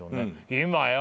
「今よ」